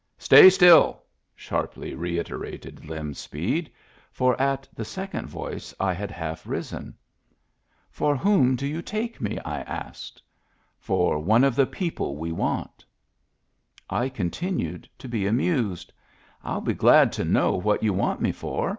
"Stay still!" sharply reiterated Lem Speed, for at the second voice I had half risen. " For whom do you take me ?" I asked. " For one of the people we want" I continued to be amused. "Ill be glad to know what you want me for.